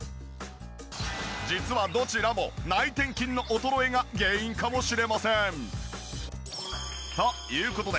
実はどちらも内転筋の衰えが原因かもしれません。